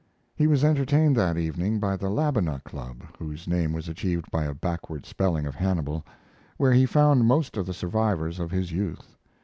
He was entertained that evening by the Labinnah Club (whose name was achieved by a backward spelling of Hannibal), where he found most of the survivors of his youth.